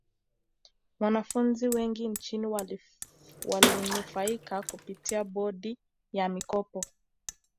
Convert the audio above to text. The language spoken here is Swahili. wanafunzi wengi nchini walinufaika kupitia bodi ya mikopo